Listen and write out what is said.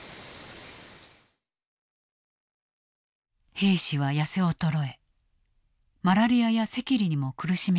兵士は痩せ衰えマラリアや赤痢にも苦しめられた。